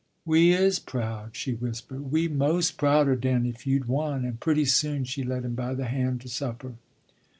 "We is proud," she whispered, "we's mos' prouder dan if you'd won," and pretty soon she led him by the hand to supper.